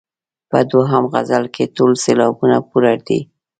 په دوهم غزل کې ټول سېلابونه پوره دي.